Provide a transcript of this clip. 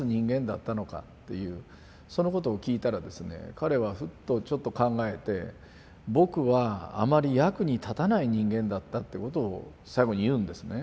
彼はふっとちょっと考えて僕はあまり役に立たない人間だったってことを最後に言うんですね。